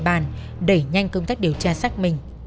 các nhà nghỉ trên địa bàn đẩy nhanh công tác điều tra xác minh